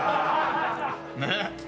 ねっ。